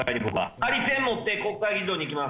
ハリセン持って国会議事堂に行きます。